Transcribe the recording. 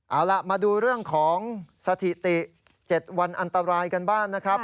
เอาล่ะมาดูเรื่องของสถิติ๗วันอันตรายกันบ้างนะครับ